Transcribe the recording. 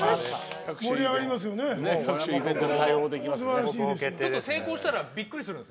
各種イベントも対応できます。